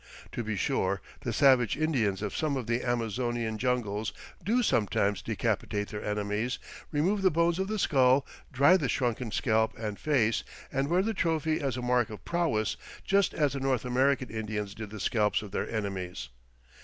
To be sure, the savage Indians of some of the Amazonian jungles do sometimes decapitate their enemies, remove the bones of the skull, dry the shrunken scalp and face, and wear the trophy as a mark of prowess just as the North American Indians did the scalps of their enemies.